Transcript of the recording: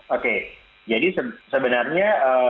oke jadi sebenarnya